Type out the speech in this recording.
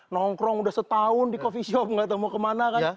nongkrong udah setahun di coffee shop gak tau mau kemana kan